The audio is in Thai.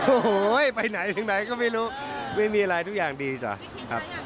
โอ้โหไปไหนถึงไหนก็ไม่รู้ไม่มีอะไรทุกอย่างดีจ้ะครับ